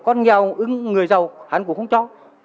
con nghèo ứng người giàu hắn cũng không cho